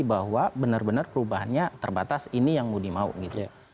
bahwa benar benar perubahannya terbatas ini yang mau dimau gitu